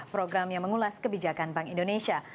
program yang mengulas kebijakan bank indonesia